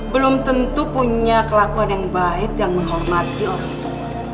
belum tentu punya kelakuan yang baik yang menghormati orang itu